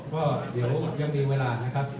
ก็เดี๋ยวจะมีเวลานะครับ